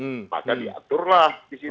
maka diaturlah disitu